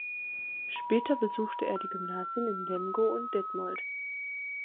Später besuchte er die Gymnasien in Lemgo und Detmold.